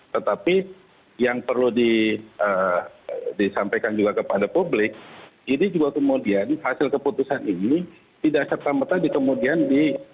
tetapi yang perlu disampaikan juga kepada publik ini juga kemudian hasil keputusan ini tidak serta merta di kemudian di